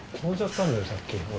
さっき俺。